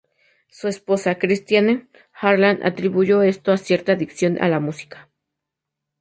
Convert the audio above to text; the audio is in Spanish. Su esposa Christiane Harlan atribuyó esto a cierta adicción a la música.